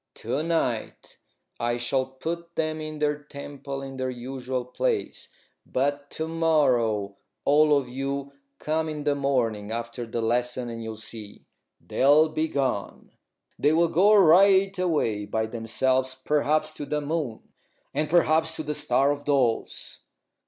To night I shall put them in their temple in their usual place. But to morrow all of you come in the morning after lessons, and you'll see they'll be gone! They will go right away by themselves, perhaps to the moon and perhaps to the Star of Dolls."